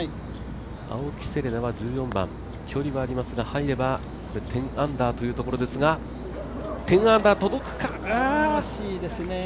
青木瀬令奈は１４番、距離はありますが入れば１０アンダーというところですが、惜しいですね。